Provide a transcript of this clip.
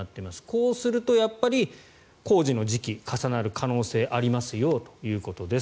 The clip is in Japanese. こうすると、やっぱり工事の時期が重なる可能性がありますよということです。